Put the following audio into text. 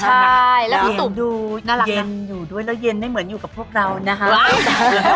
ใช่แล้วคุณตุ๋มดูเย็นอยู่ด้วยแล้วเย็นได้เหมือนอยู่กับพวกเรานะฮะ